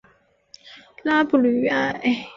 拉布吕埃。